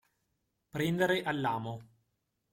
Prendere all'amo.